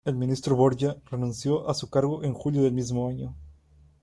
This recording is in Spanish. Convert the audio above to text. El ministro Borja renunció a su cargo en julio del mismo año.